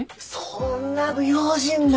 そんな不用心な。